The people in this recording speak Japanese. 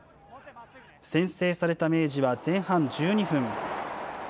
先制された明治は前半１２分。